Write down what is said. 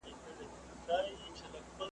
چي په قسمت کی دي ازل سهار لیکلی نه دی `